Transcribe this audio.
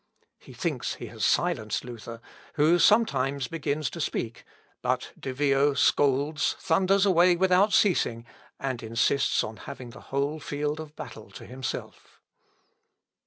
He thinks he has silenced Luther, who sometimes begins to speak, but De Vio scolds, thunders away without ceasing, and insists on having the whole field of battle to himself.